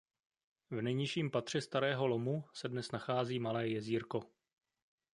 V nejnižším patře starého lomu se dnes nachází malé jezírko.